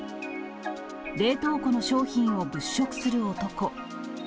冷凍庫の商品を物色する男。